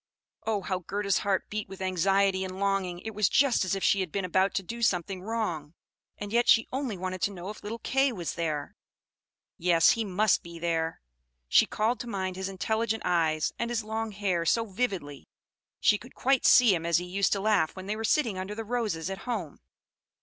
Oh, how Gerda's heart beat with anxiety and longing! It was just as if she had been about to do something wrong; and yet she only wanted to know if little Kay was there. Yes, he must be there. She called to mind his intelligent eyes, and his long hair, so vividly, she could quite see him as he used to laugh when they were sitting under the roses at home.